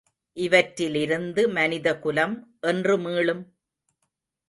இவற்றிலிருந்து மனிதகுலம் என்று மீளும்?